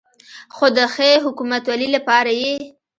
خو د ښې حکومتولې لپاره یې